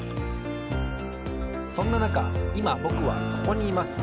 そんななかいまぼくはここにいます。